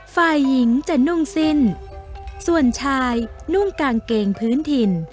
ฝ่ายหญิงจะนุ่งสิ้นส่วนชายนุ่งกางเกงพื้นถิ่น